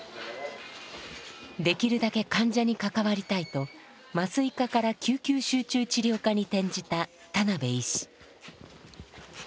できるだけ患者に関わりたいと麻酔科から救急集中治療科に転じた田邉医師。